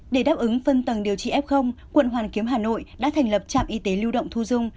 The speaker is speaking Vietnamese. để đáp ứng phân tầng điều trị f quận hoàn kiếm hà nội đã thành lập trạm y tế lưu động thu dung